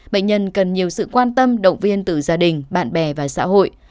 bệnh nhân cần nhiều sự quan tâm động viên từ gia đình bạn bè và xã hội